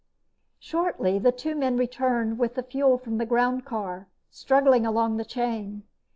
Shortly the two men returned with the fuel from the groundcar, struggling along the chain.